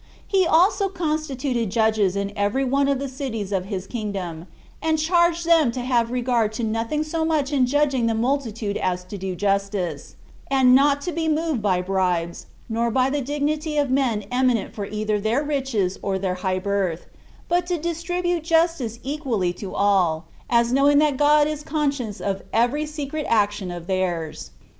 He also constituted judges in every one of the cities of his kingdom; and charged them to have regard to nothing so much in judging the multitude as to do justice, and not to be moved by bribes, nor by the dignity of men eminent for either their riches or their high birth, but to distribute justice equally to all, as knowing that God is conscious of every secret action of theirs.